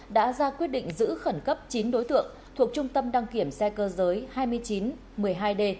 đã ra quyết định giữ khẩn cấp chín đối tượng thuộc trung tâm đăng kiểm xe cơ giới hai nghìn chín trăm một mươi hai d